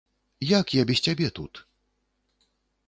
Як я без цябе тут?